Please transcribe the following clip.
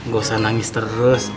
gak usah nangis terus